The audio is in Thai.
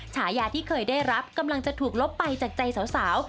ฉายาที่เคยได้รับกำลังจะถูกลบไปจากใจสาว